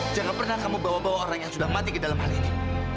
jangan pernah kamu bawa bawa orang yang sudah mati ke dalam hal ini